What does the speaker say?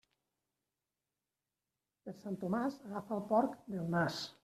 Per Sant Tomàs, agafa el porc del nas.